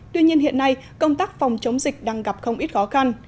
tuy nhiên hiện nay công tác phòng chống dịch đang gặp không ít khó khăn